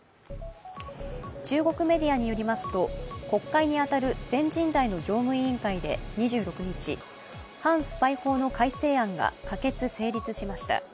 中国メディアによりますと国会に当たる全人代の常務委員会で２６日反スパイ法の改正案が可決・成立しました。